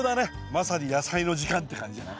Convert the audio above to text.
まさに「やさいの時間」って感じじゃない？